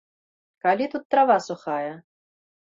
Калі тут трава сухая?